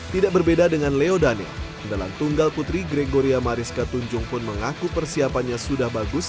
tidak berbeda dengan leo daniel dalam tunggal putri gregoria mariska tunjung pun mengaku persiapannya sudah bagus